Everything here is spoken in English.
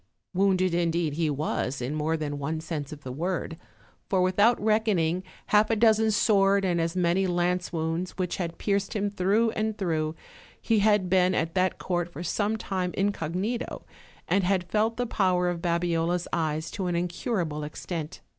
Wounded indeed he was in more than one sense of the word; for without reckoning half a dozen sword and as many lance womids which had pierced him through and through, he had been at that court for some time incognito, and had felt the power of Babiola's eyes to an incurable extent.